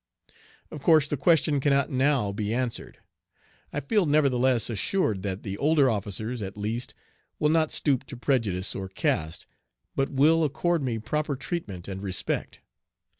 Of course the question cannot now be answered. I feel nevertheless assured that the older officers at least will not stoop to prejudice or caste, but will accord me proper treatment and respect.